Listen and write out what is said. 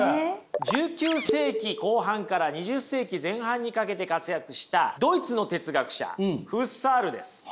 １９世紀後半から２０世紀前半にかけて活躍したドイツの哲学者フッサールです。